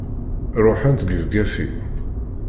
Ruḥent gefgafi!